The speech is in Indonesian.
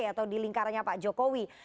atau di lingkarannya pak jokowi